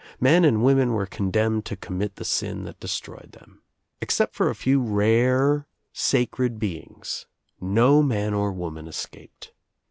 Men and women were condemned to commit the sin that destroyed them. Except for a few rare sacred beings no man or woman escaped.